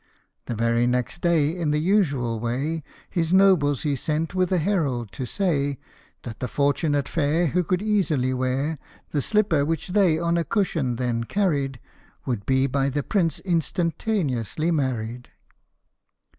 The very next day, in the usual way, His nobles he sent, with a herald, to say, That the fortunate fair Who could easily wear The slipper which they on a cushion then carried Would be by the Prince instantaneously married.